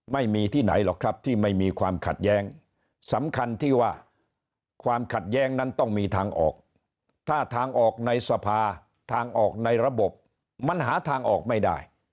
ไม่มีที่ไหนหรอกครับที่ไม่มีความขัดแย้งสำคัญที่ว่าความขัดแย้งนั้นต้องมีทางออกถ้าทางออกในสภาทางออกในระบบมันหาทางออกไม่ได้